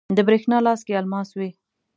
د بریښنا لاس کې الماس وی